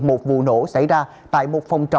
một vụ nổ xảy ra tại một phòng trò